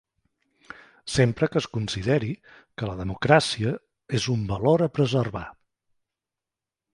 Sempre que es consideri que la democràcia és un valor a preservar.